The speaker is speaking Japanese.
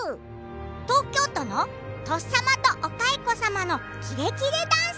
東京都の、とっさまとお蚕様のキレキレダンスさん。